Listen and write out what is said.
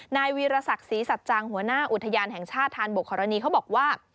นายวีรศักดิ์ศรีสัจจังหัวหน้าอุทยานแห่งชาติธานบกฮรณีเขาบอกว่า